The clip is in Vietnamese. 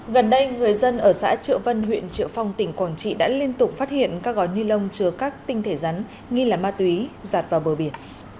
gần đây người dân ở xã triệu vân huyện triệu phong tỉnh quảng trị đã liên tục phát hiện các gói ni lông chứa các tinh thể rắn nghi là ma túy giạt vào bờ biển